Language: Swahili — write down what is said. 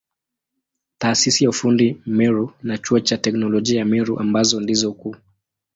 Taasisi ya ufundi Meru na Chuo cha Teknolojia ya Meru ambazo ndizo kuu.